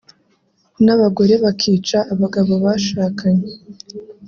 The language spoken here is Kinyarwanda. nabagore bakica abagabo bashakanye